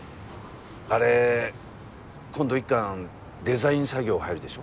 あれ今度１巻デザイン作業入るでしょ？